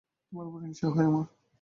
তোমার ওপর হিংসা হয় আমার।